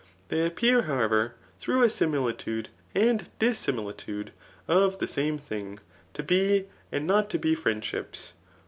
They appear, however, through a similitude and dissimi litude of the same thing, to be and not to be friendships.